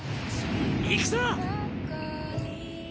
行くぞ！